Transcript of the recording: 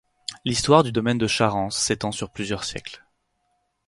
L'histoire du domaine de Charance s'étend sur plusieurs siècles.